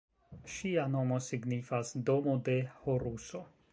Ŝia nomo signifas "Domo de Horuso".